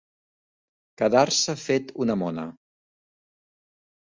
Quedar-se fet una mona.